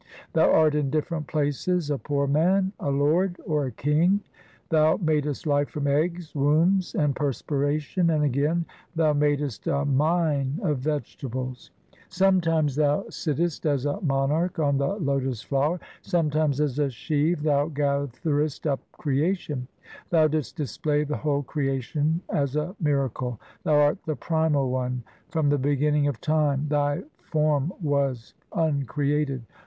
Thou art in different places a poor man, a lord, or a king ; Thou madest life from eggs, wombs, and perspiration, And again Thou madest a mine of vegetables. Sometimes Thou sittest as monarch on the lotus flower, 2 Sometimes as Shiv Thou gatherest up creation. Thou didst display the whole creation as a miracle ; Thou art the Primal One from the beginning of time ; Thy form was uncreated.